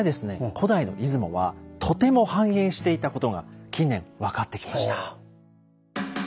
古代の出雲はとても繁栄していたことが近年分かってきました。